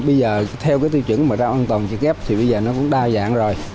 bây giờ theo cái tiêu chuẩn mà rau an toàn cho kép thì bây giờ nó cũng đa dạng rồi